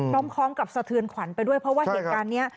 พร้อมกับสะเทือนขวัญไปด้วยเพราะว่าเหตุการณ์นี้